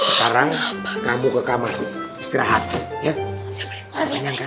sekarang kamu ke kamar istirahat ya